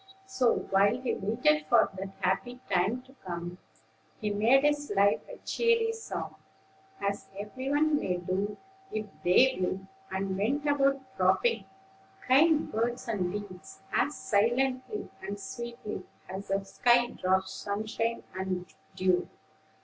So, while he waited for that happy time to come, he made his life a cheery song, as every one may do, if they will; and went about dropping kind words and deeds as silently and sweetly as the sky drops sunshine and dew.